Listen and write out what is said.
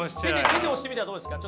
手で押してみたらどうですか。